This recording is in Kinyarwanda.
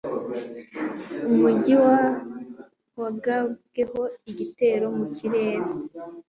Umujyi wagabweho igitero mu kirere.